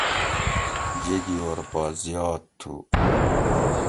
جیگیور پا زیات تھو